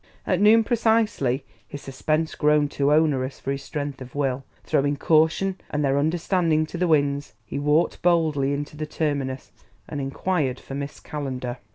At noon precisely, his suspense grown too onerous for his strength of will, throwing caution and their understanding to the winds, he walked boldly into the Terminus, and inquired for Miss Calendar.